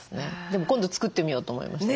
でも今度作ってみようと思いました